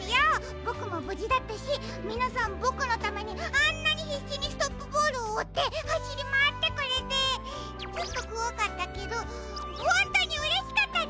ボクもぶじだったしみなさんボクのためにあんなにひっしにストップボールをおってはしりまわってくれてちょっとこわかったけどほんとにうれしかったです！